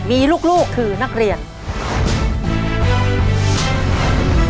จะมาจับมือกันต่อสู้เพื่อโรงเรียนที่รักของพวกเค้า